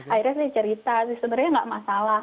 akhirnya saya cerita sih sebenarnya nggak masalah